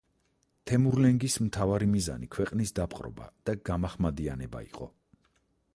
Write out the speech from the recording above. თემურლენგის მთავარი მიზანი ქვეყნის დაპყრობა და გამაჰმადიანება იყო.